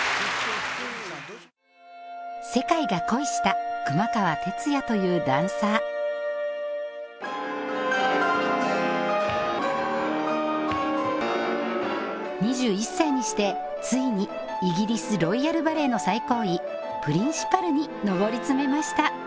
世界が恋した「熊川哲也」というダンサー２１歳にしてついにイギリスロイヤル・バレエの最高位プリンシパルに上り詰めました